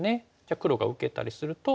黒が受けたりすると。